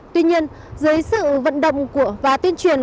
tuy nhiên dưới sự vận động và tuyên truyền